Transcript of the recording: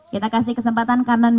kita kasih kesempatan kanan